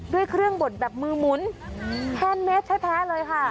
ด้วยเครื่องบดแบบมือหมุนแพนเมสแท้เลยค่ะ